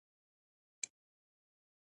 چې نور پخپله تشناب ته تلاى سوم.